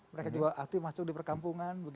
mereka juga aktif masuk di perkampungan